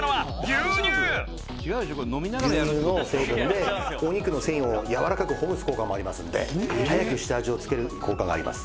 「牛乳の成分でお肉の繊維をやわらかくほぐす効果もありますんで早く下味を付ける効果があります」